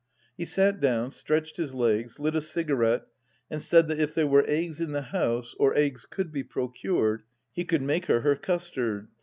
He sat down, stretched his legs, lit a cigarette, and said that if there were eggs in the house, or eggs could be pro cured, he could make her her custard.